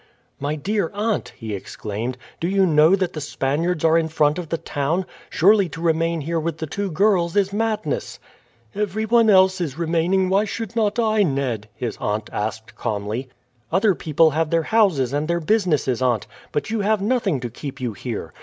"My dear aunt!" he exclaimed, "do you know that the Spaniards are in front of the town? Surely to remain here with the two girls is madness!" "Every one else is remaining, why should not I, Ned?" his aunt asked calmly. "Other people have their houses and their businesses, aunt, but you have nothing to keep you here.